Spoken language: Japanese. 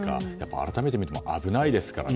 改めて見ると危ないですからね。